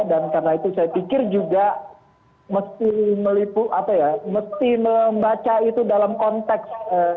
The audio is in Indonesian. dan karena itu saya pikir juga mesti melipu apa ya mesti membaca itu dalam konteks